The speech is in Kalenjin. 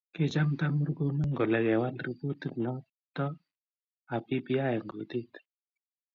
Kichamta Murkomen kole kewal ripotit noto ab bbi eng kutit